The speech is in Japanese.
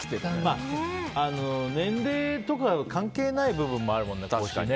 まあ、年齢とか関係ない部分もあるもんね、腰ね。